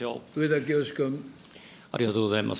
ありがとうございます。